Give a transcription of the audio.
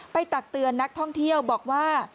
ตักเตือนนักท่องเที่ยวบอกว่า